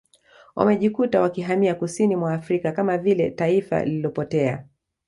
Wamejikuta wakihamia kusini mwa Afrika Kama vile taifa lililopotea